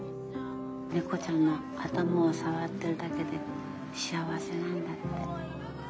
猫ちゃんの頭を触ってるだけで幸せなんだって。